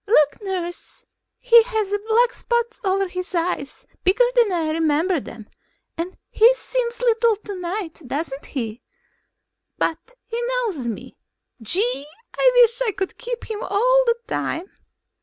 Look, nurse. He has black spots over his eyes, bigger than I remembered them. And he seems littler tonight, doesn't he? But he knows me. Gee, I wish I could keep him all the time."